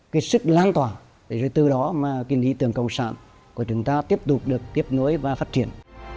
cái sức lan tỏa để rồi từ đó mà cái lý tưởng cộng sản của chúng ta tiếp tục được tiếp nối và phát triển